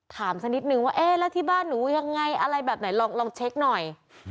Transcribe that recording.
สักนิดนึงว่าเอ๊ะแล้วที่บ้านหนูยังไงอะไรแบบไหนลองเช็คหน่อย